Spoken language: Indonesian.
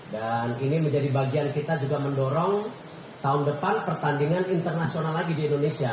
dan ini menjadi bagian kita juga mendorong tahun depan pertandingan internasional lagi di indonesia